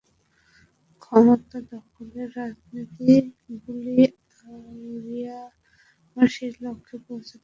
ক্ষমতা দখলের রাজনীতির বুলি আওড়িয়ে আমরা সেই লক্ষ্যে পৌঁছাতে পারব না।